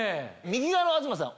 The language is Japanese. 右側の東さん